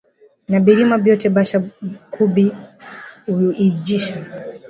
Na birima byote basha kubi uijisha